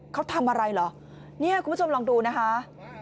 เขาทำอะไรหรือคุณผู้ชมลองดูนะฮะ